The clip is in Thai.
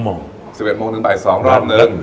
๑๑๐๐โมงนึงบ่าย๒รอบนึง